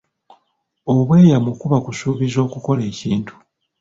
Obweyamo kuba kusuubiza okukola ekintu.